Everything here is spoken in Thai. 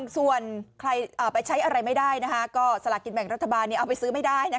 ส่วนใครไปใช้อะไรไม่ได้ก็สลากินแบ่งรัฐบาลเอาไปซื้อไม่ได้